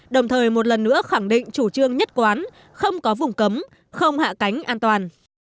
đồng thời một lần nữa khẳng định chủ trương nhất quán không có vùng cấm không hạ cánh an toàn